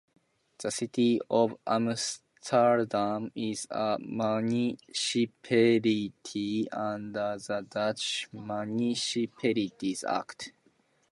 The city of Amsterdam is a municipality under the Dutch Municipalities Act.